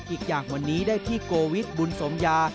อีกอย่างวันนี้ได้พี่โกวิทบุญสมยา